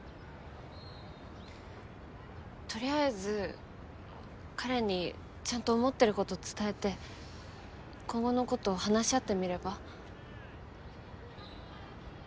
取りあえず彼にちゃんと思ってること伝えて今後のこと話し合ってみれば？